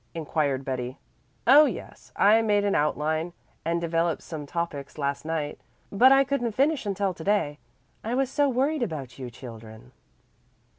inquired Betty. "Oh, yes, I made an outline and developed some topics last night. But I couldn't finish until to day. I was so worried about you children."